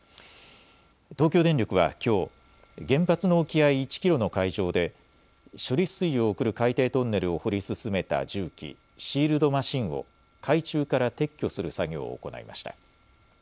東京電力はきょう、原発の沖合１キロの海上で処理水を送る海底トンネルを掘り進めた重機、シールドマシンを海中から撤去する作業を行いました。